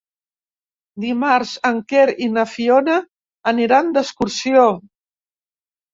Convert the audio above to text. Dimarts en Quer i na Fiona aniran d'excursió.